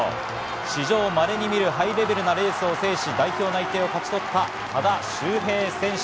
史上稀に見るハイレベルなレースを制し、代表内定を勝ち取った多田修平選手。